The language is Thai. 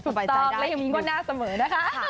สบายใจได้อีกนิด